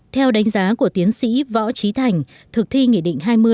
theo đánh giá của tiến sĩ võ trí thành thực thi nghị định hai mươi